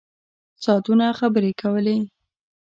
ساعتونه خبرې کولې.